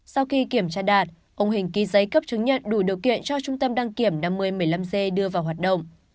sau khi kiểm tra đạt ông hình ký giấy cấp chứng nhận đủ điều kiện cho trung tâm đăng kiểm năm mươi một mươi năm g đưa vào hoạt động